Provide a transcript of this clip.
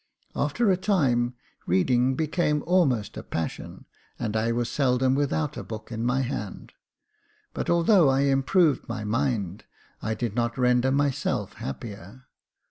After a time, reading became almost a passion, and I was seldom without a book in my hand. But although I improved my mind, I did not render myself happier.